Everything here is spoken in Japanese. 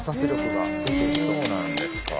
そうなんですか。